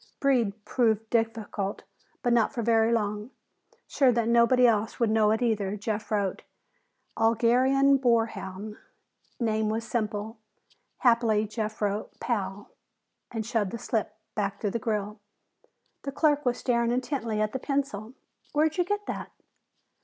"Breed" proved difficult, but not for very long. Sure that nobody else would know it either, Jeff wrote "Algerian boar hound." "Name" was simple. Happily Jeff wrote "Pal" and shoved the slip back through the grill. The clerk was staring intently at the pencil. "Where'd you get that?"